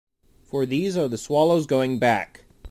For these are the swallows going back.